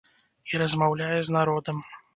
І размаўляе з народам.